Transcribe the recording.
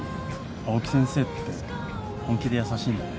青木先生って本気で優しいんだね